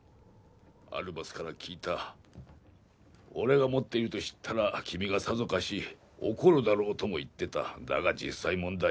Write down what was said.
アルバスから聞いた俺が持っていると知ったら君がさぞかし怒るだろうとも言ってただが実際問題